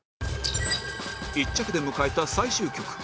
１着で迎えた最終局